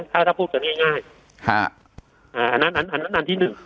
ถ้าถ้าพูดกันง่ายอันนั้นอันนั้นอันที่หนึ่ง